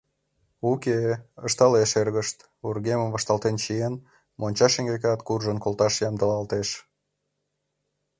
— Уке, — ышталеш эргышт, вургемым вашталтен чиен, монча шеҥгекат куржын колташ ямдылалтеш.